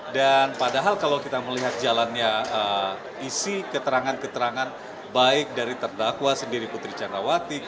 dan padahal kalau kita melihat jalannya isi keterangan keterangan baik dari terdakwa sendiri putri candrawati